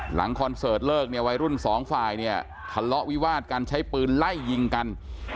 คอนเสิร์ตเลิกเนี่ยวัยรุ่นสองฝ่ายเนี่ยทะเลาะวิวาดกันใช้ปืนไล่ยิงกัน